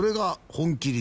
本麒麟